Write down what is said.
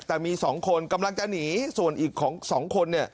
แต่มี๒คนกำลังจะหนีส่วนอีก๒คนเนี่ย